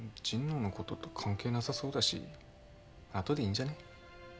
神野のことと関係なさそうだし後でいいんじゃない。